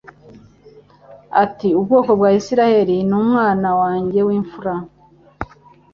ati: ubwoko bwa Isirayeli ni umwana wanjye w'imfura: